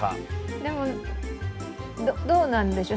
でも、どうなんでしょう。